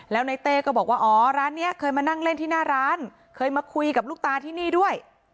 แล้วในเต้ก็บอกว่าอ๋อร้านนี้เคยมานั่งเล่นที่หน้าร้านเคยมาคุยกับลูกตาที่นี่ด้วย